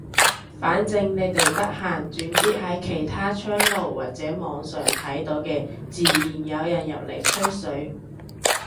反正你哋得閒轉啲喺其他窗爐或者網上睇到嘅，自然有人入嚟吹水。